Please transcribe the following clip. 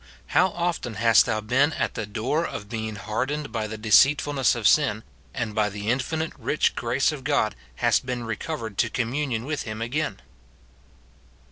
How often hast thou been at the door of being hardened by the deceitfulness of sin, and by the infinite rich grace of God hast been recovered to communion with him again